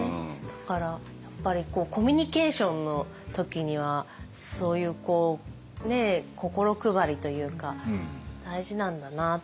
だからやっぱりコミュニケーションの時にはそういう心配りというか大事なんだなって改めて。